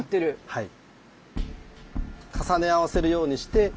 はい。